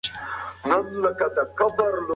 د کندهار دودیز لباس ځانګړی ښکلا لري.